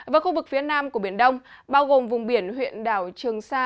và khu vực phía nam của biển đông bao gồm vùng biển huyện đảo trường sa